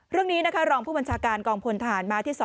เรื่องนี้นะคะรองผู้บัญชาการกองพลทหารมาที่๒